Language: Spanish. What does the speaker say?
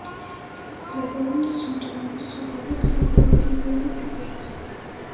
Los cladodios son redondos, ovados de color azul-verde y sin pelos.